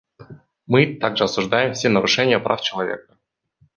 Мы также осуждаем все нарушения прав человека.